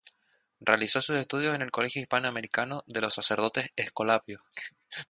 Realizó sus estudios en el Colegio Hispano Americano de los sacerdotes Escolapios.